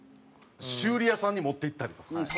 修理屋さんに持っていったりとか。